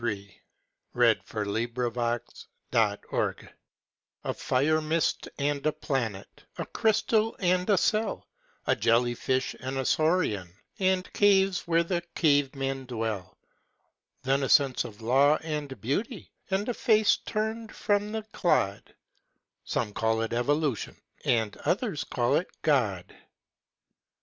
George Hoey. Each in His Own Tongue A fire mist and a planet, A crystal and a cell, A jellyfish and a saurian, And caves where the cavemen dwell; Then a sense of law and beauty, And a face turned from the clod, Some call it Evolution, And others call it God.